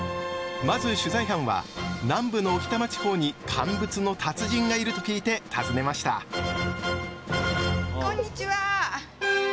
まず取材班は南部の置賜地方に「乾物の達人」がいると聞いて訪ねましたこんにちは！